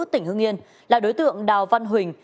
tỉnh hưng yên là đối tượng đào văn huỳnh